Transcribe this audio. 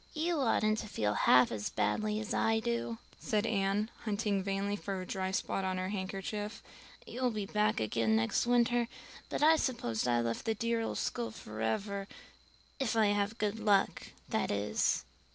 "You oughtn't to feel half as badly as I do," said Anne, hunting vainly for a dry spot on her handkerchief. "You'll be back again next winter, but I suppose I've left the dear old school forever if I have good luck, that is."